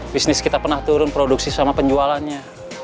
bisnis kita pernah turun produksi sama penjualannya